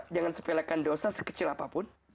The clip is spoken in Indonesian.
jangan sepelekan dosa sekecil apapun